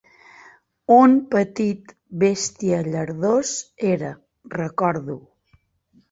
Un petit bèstia llardós era, recordo.